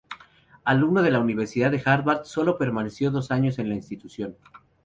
Alumno de la Universidad de Harvard, solo permaneció dos años en la institución.